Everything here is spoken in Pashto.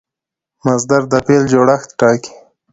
مصدر د فعل جوړښت ټاکي.